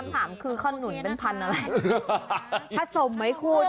คำถามคือขนุนเป็นพันธุ์อะไรผสมไหมคุณ